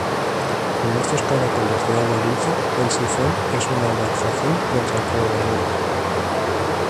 En estos caracoles de agua dulce el sifón es una adaptación contra predadores.